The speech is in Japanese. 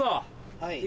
はい。